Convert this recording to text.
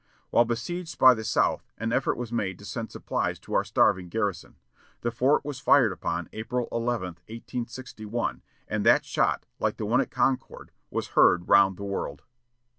While besieged by the South, an effort was made to send supplies to our starving garrison. The fort was fired upon April 11, 1861, and that shot, like the one at Concord, was "heard round the world."